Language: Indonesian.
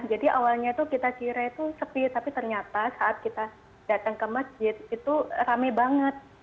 jadi awalnya itu kita kira itu sepi tapi ternyata saat kita datang ke masjid itu rame banget